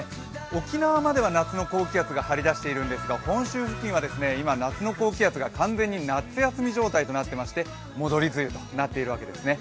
沖縄までは夏の高気圧が張り出しているんですが本州付近は夏の高気圧が完全に夏休み状態となっていまして、戻り梅雨となっているんですね